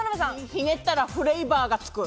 ひねったらフレーバーがつく。